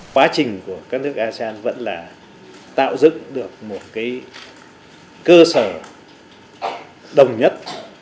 quá trình của các nước asean vẫn là tạo dựng được một cơ sở đồng nhất